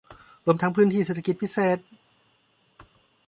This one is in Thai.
รวมทั้งพื้นที่เศรษฐกิจพิเศษ